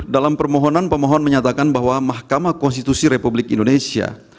dalam permohonan pemohon menyatakan bahwa mahkamah konstitusi republik indonesia